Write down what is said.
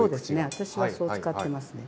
私はそう使ってますね。